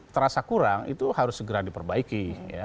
terasa kurang itu harus segera diperbaiki